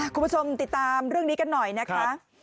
คุณผู้ชมติดตามเรื่องนี้กันหน่อยนะคะ